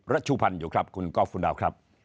ชุพันธ์อยู่ครับคุณก๊อฟคุณดาวครับ